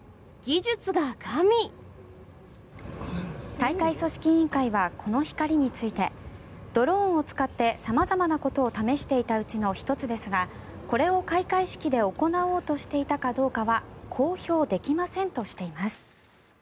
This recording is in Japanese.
大会組織委員会はこの光についてドローンを使って様々なことを試していたうちの１つですがこれを開会式で行おうとしていたかどうかは公表できませんとしています。